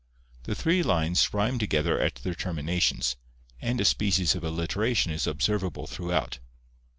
The three lines rhyme together at their terminations; and a species of alliteration is observable throughout.